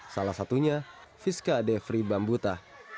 salah satunya viska devri bambuta